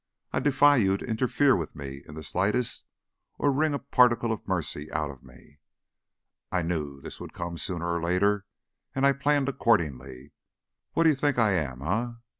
I defy you to interfere with me in the slightest or to wring a particle of mercy out of me. I knew this would come, sooner or later, and I planned accordingly. What d'you think I am, eh?